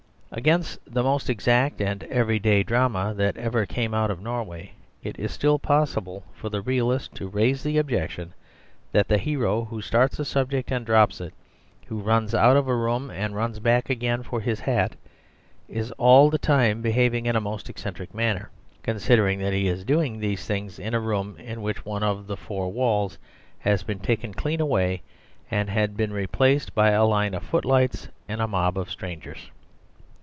Against the most exact and everyday drama that ever came out of Norway it is still possible for the realist to raise the objection that the hero who starts a subject and drops it, who runs out of a room and runs back again for his hat, is all the time behaving in a most eccentric manner, considering that he is doing these things in a room in which one of the four walls has been taken clean away and been replaced by a line of footlights and a mob of strangers.